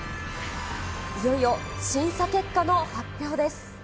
いよいよ審査結果の発表です。